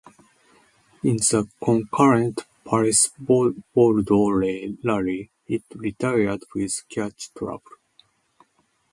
In the concurrent Paris-Bordeaux rally, it retired with clutch trouble.